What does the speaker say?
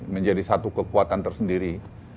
menjadi satu kekuatan tersendiri